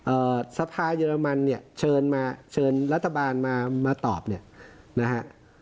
สภาเยอรมันเนี่ยเชิญมาเชิญรัฐบาลมามาตอบเนี่ยนะฮะ